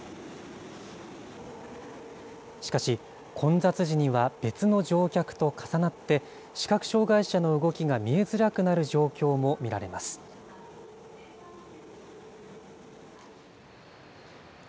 しかし、混雑時には別の乗客と重なって、視覚障害者の動きが見えづらくなる状況も見られます。